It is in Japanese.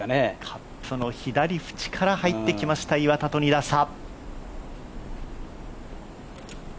カップの左縁から入ってきました、岩田と２打差。